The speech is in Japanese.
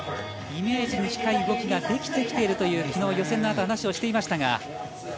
イメージに近い動きができているという昨日、予選の後話していましたが。